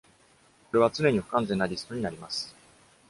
これは常に不完全なリストになります。